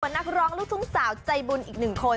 นักร้องลูกทุ่งสาวใจบุญอีกหนึ่งคน